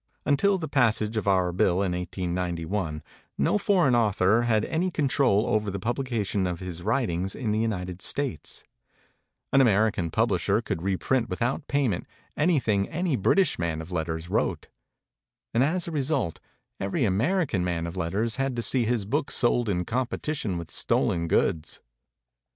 Until the passage of our bill in 1891, no foreign author had any control over the publication of his writings in the United States; an American pub lisher could reprint without payment anything any British man of letters wrote; and as a result every American man of letters had to see his books sold in competition with stolen goods.